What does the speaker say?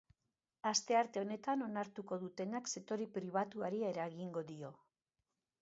Astearte honetan onartuko dutenak sektore pribatuari eragingo dio.